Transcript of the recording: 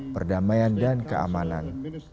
perdamaian dan keamanan